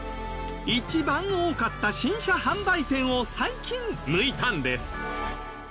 一番多かった新車販売店を最近抜いたんです。